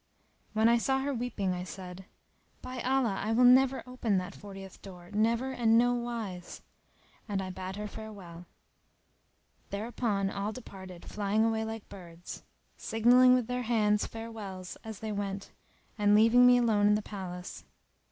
When I saw her weeping I said, "By Allah I will never open that fortieth door, never and no wise!" and I bade her farewell. Thereupon all departed flying away like birds; signalling with their hands farewells as they went and leaving me alone in the palace.